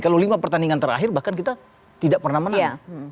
kalau lima pertandingan terakhir bahkan kita tidak pernah menang